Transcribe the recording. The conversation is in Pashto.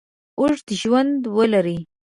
اوږد ژوند ولري.